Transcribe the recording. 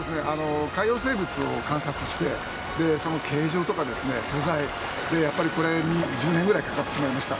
海洋生物を観測してその形状とか素材、これ１０年ぐらいかかってしまいました。